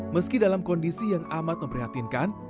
meski dalam kondisi yang amat memprihatinkan